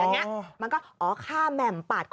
มันเรื่องเว้นวัสค์